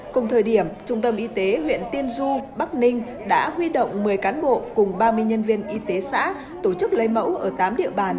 cùng thời điểm trung tâm y tế huyện tiên du bắc ninh đã huy động một mươi cán bộ cùng ba mươi nhân viên y tế xã tổ chức lấy mẫu ở tám địa bàn